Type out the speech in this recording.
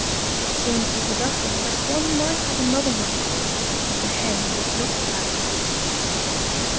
It seemed to the Duckling that one might have another mind, but the Hen would not allow it.